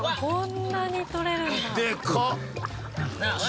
こんなにとれるんだ。